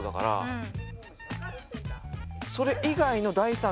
うん。